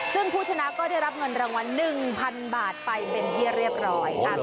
ซึ่งผู้ชนะก็ได้รับเงินรางวัล๑๐๐๐บาทไปเป็นที่เรียบร้อย